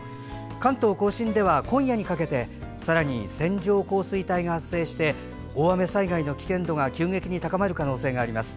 関東・甲信では今夜にかけてさらに線状降水帯が発生して大雨災害の危険度が急激に高まる可能性があります。